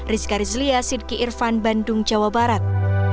rizka rizlia sidki irfan bandung jawa barat